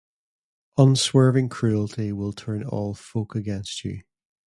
Unswerving cruelty will turn all folk against you.